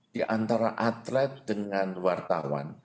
di antara atlet dengan wartawan